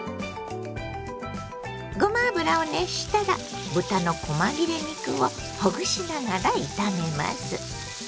ごま油を熱したら豚のこま切れ肉をほぐしながら炒めます。